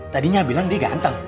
tadinya bilang dia ganteng